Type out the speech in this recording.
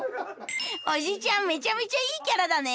おじちゃんめちゃめちゃいいキャラだね